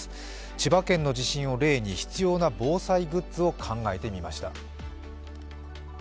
千葉県の地震を例に、必要な防災グッズを考えてみました。